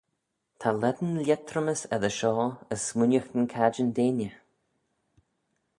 Ta lane lhietrymys eddyr shoh, as smooinaghtyn cadjin deiney.